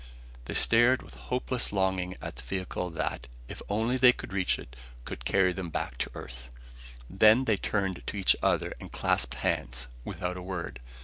They stared with hopeless longing at the vehicle that, if only they could reach it, could carry them back to Earth. Then they turned to each other and clasped hands, without a word.